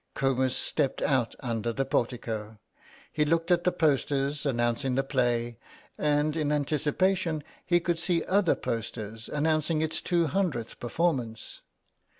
Comus stepped out under the portico; he looked at the posters announcing the play, and in anticipation he could see other posters announcing its 200th performance.